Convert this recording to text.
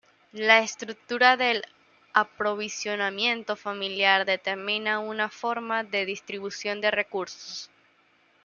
La estructura del aprovisionamiento familiar determina una forma de distribución de recursos.